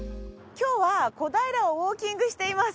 今日は小平をウォーキングしています。